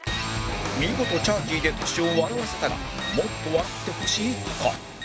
見事チャーキーでトシを笑わせたがもっと笑ってほしいタカ